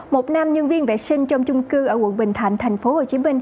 một nam nhân viên vệ sinh trong chung cư ở quận bình thạnh tp hcm